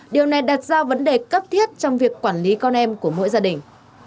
điều này đặt ra vấn đề cấp thiết trong việc quản lý con em của mỗi gia đình